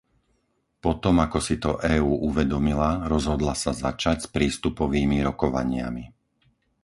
Potom ako si to EÚ uvedomila, rozhodla sa začať s prístupovými rokovaniami.